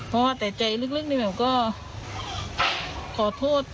เพราะว่าแต่ใจลึกนี่แหม่วก็ขอโทษ